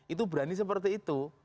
itu berani seperti itu